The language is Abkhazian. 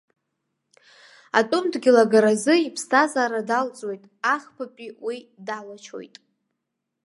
Атәым дгьыл агаразы иԥсҭазаара далҵуеит, ахԥатәи уи далачоит.